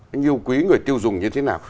anh yêu quý người tiêu dùng như thế nào